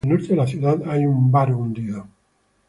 Al norte de la ciudad hay un baro hundido.